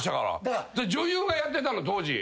女優がやってたの当時。